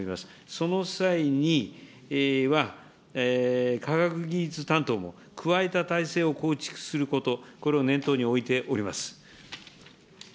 その際は科学技術担当も加えた体制を構築すること、これを念頭に置いております。